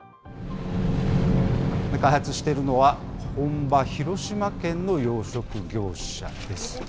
開発しているのは、本場、広島県の養殖業者です。